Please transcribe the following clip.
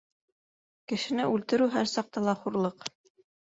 — Кешене үлтереү һәр саҡта ла хурлыҡ.